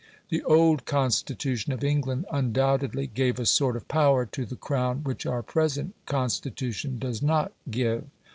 The old Constitution of England undoubtedly gave a sort of power to the Crown which our present Constitution does not give.